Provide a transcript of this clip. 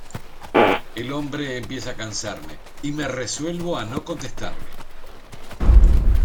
el hombre empieza a cansarme, y me resuelvo a no contestarle.